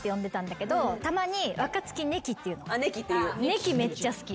ネキめっちゃ好き。